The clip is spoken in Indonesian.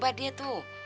nggak ada apa apa